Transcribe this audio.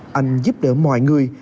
làm giúp đỡ mọi người